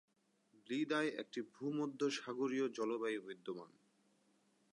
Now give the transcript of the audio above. ব্লিদায় একটি ভূমধ্যসাগরীয় জলবায়ু বিদ্যমান।